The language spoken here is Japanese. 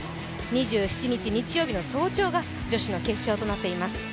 ２７日日曜日の早朝が女子の決勝となっています。